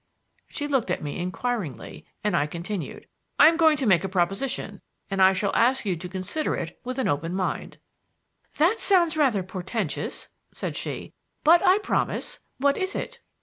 She looked at me inquiringly, and I continued: "I am going to make a proposition, and I shall ask you to consider it with an open mind." "That sounds rather portentous," said she; "but I promise. What is it?"